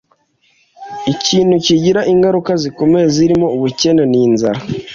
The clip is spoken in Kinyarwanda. ikintu kigira ingaruka zikomeye zirimo ubukene n’ inzara.